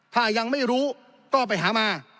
ถ้ายังไม่รู้ก็ไปหามา